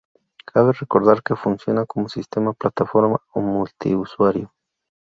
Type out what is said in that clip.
Cabe recordar que funciona como sistema plataforma o multiusuario.